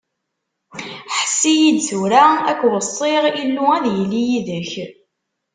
Ḥess-iyi-d tura ad k-weṣṣiɣ, Illu ad yili yid-k!